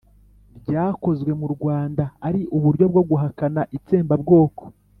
ryakozwe mu rwanda ari uburyo bwo guhakana itsembabwoko.